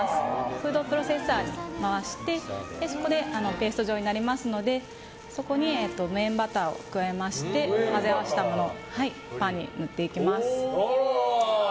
フードプロセッサーを回してそこでペースト状になりますのでそこに無塩バターを加えまして混ぜ合わせたものをパンに塗っていきます。